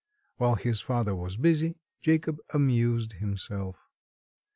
While his father was busy Jacob amused himself.